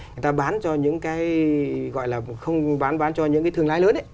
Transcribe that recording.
người ta bán cho những thương lái lớn